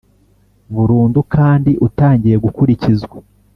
burundu kandi utangiye gukurikizwa